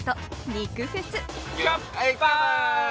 ・肉フェス。